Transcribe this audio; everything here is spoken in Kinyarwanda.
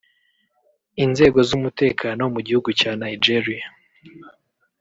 Inzego z’umutekano mu gihugu cya Nigeria